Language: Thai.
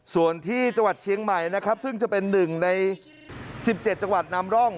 ส่วนที่จังหวัดเชียงใหม่นะครับซึ่งจะเป็น๑ใน๑๗จังหวัดนำร่อง